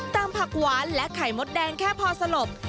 ผักหวานและไข่มดแดงแค่พอสลบ